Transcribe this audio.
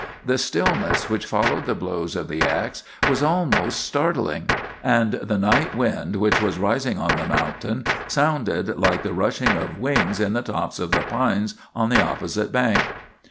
The stillness which followed the blows of the ax was almost startling; and the night wind which was rising on the mountain sounded like the rushing of wings in the tops of the pines on the opposite bank.